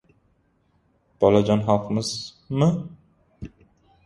Bolajon xalqmiz...mi?